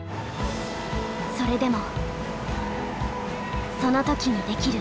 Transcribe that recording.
それでも。